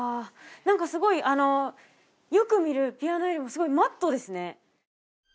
何かすごいよく見るピアノよりもすごいマットですね